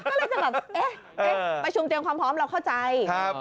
ก็เลยจะแบบเอ๊ะประชุมเตรียมความพร้อมเราเข้าใจ